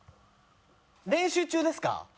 練習中ですか？